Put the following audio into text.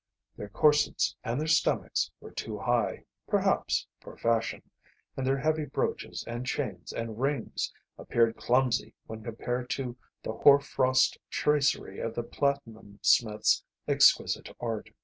Their corsets and their stomachs were too high, perhaps, for fashion, and their heavy brooches and chains and rings appeared clumsy when compared to the hoar frost tracery of the platinumsmith's exquisite art.